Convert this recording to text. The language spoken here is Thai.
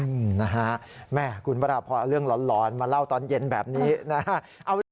นะฮะแม่คุณพระราพรเอาเรื่องหลอนมาเล่าตอนเย็นแบบนี้นะฮะ